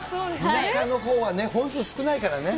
田舎のほうは、本数少ないからね。